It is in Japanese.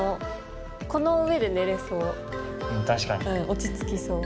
落ち着きそう。